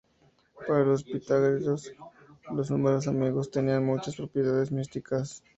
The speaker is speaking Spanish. Para los pitagóricos los números amigos tenían muchas propiedades místicas.